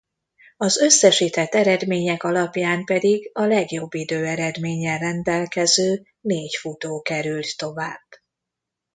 Az összesített eredmények alapján pedig a legjobb időeredménnyel rendelkező négy futó került tovább.